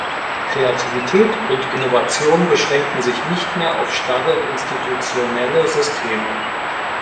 Kreativität und Innovation beschränken sich nicht mehr auf starre institutionelle Systeme.